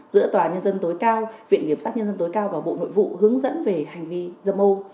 giữa tòa nhân dân tối cao viện kiểm sát nhân dân tối cao và bộ nội vụ hướng dẫn về hành vi dâm ô